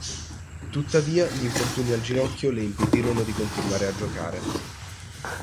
Tuttavia gli infortuni al ginocchio le impedirono di continuare a giocare.